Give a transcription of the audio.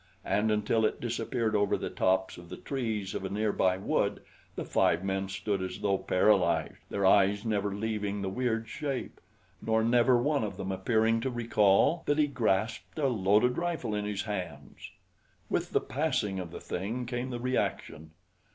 And until it disappeared over the tops of the trees of a near by wood the five men stood as though paralyzed, their eyes never leaving the weird shape; nor never one of them appearing to recall that he grasped a loaded rifle in his hands. With the passing of the thing, came the reaction.